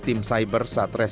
diberi penyelesaian di belakang